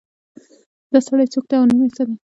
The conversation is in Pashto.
دا سړی څوک ده او نوم یې څه ده